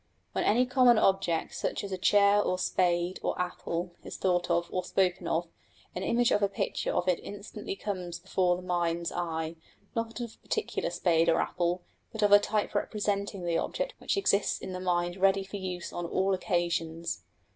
When any common object, such as a chair, or spade, or apple, is thought of or spoken of, an image of a picture of it instantly comes before the mind's eye; not of a particular spade or apple, but of a type representing the object which exists in the mind ready for use on all occasions.